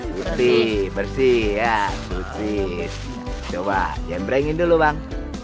bersih bersih ya cuci coba yang berani dulu bang